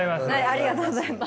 ありがとうございます。